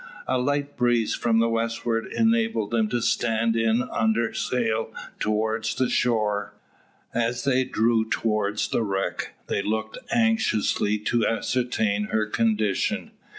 A light breeze from the westward enabled them to stand in under sail towards the shore. As they drew towards the wreck, they looked anxiously to ascertain her condition.